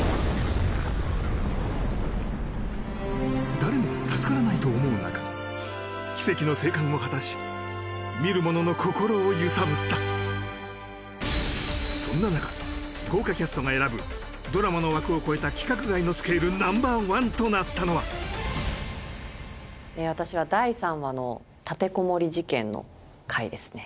誰もが助からないと思う中奇跡の生還を果たし見る者の心を揺さぶったそんな中豪華キャストが選ぶドラマの枠を超えた規格外のスケールＮｏ．１となったのは私は第３話のの回ですね